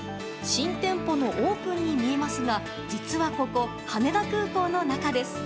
新店舗のオープンに見えますが実はここ、羽田空港の中です。